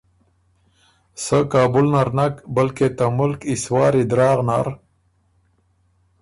صرف کابل نر نک بلکې ته مُلک ای سوار ای دراغ نر